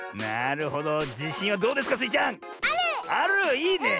いいね。